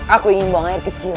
aku ingin buang air kecil